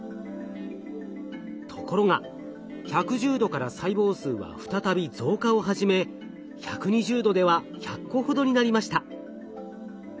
ところが１１０℃から細胞数は再び増加を始め１２０℃では１００個ほどになりました。